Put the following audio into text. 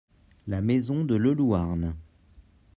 La maison de Le Louarn.